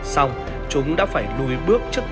sau chúng đã phải lùi bước trước tinh thần găng